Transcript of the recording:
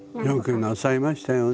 よくなさいましたよね。